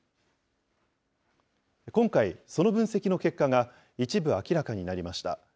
今回、その分析の結果が、一部明らかになりました。